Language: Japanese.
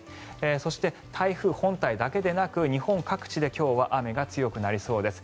そして、台風本体だけでなく日本各地で今日は雨が強くなりそうです。